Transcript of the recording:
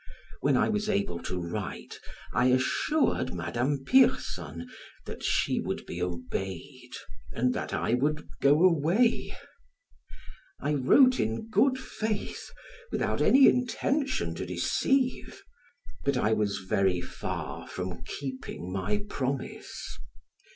When I was able to write I assured Madame Pierson that she would be obeyed, and that I would go away. I wrote in good faith, without any intention to deceive, but I was very far from keeping my promise.